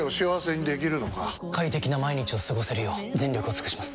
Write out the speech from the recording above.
快適な毎日を過ごせるよう全力を尽くします！